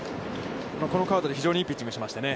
このカードで非常にいいピッチングをしましたね。